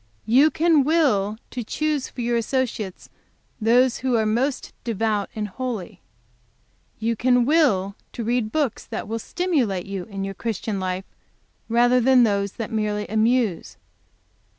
"You can will to choose for your associates those who are most devout and holy. "You can will to read books that will stimulate you in your Christian life, rather than those that merely amuse.